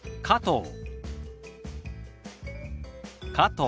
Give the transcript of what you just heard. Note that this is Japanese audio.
「加藤」。